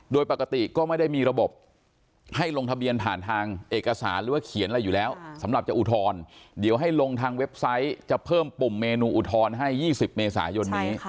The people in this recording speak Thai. โดยปกติก็ไม่ได้มีระบบให้ลงทะเบียนผ่านทางเอกสารหรือว่าเขียนอะไรอยู่แล้วสำหรับจะอุทธรณ์เดี๋ยวให้ลงทางเว็บไซต์จะเพิ่มปุ่มเมนูอุทธรณ์ให้๒๐เมษายนนี้